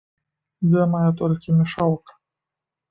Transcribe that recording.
Дзе мая толькі мешалка?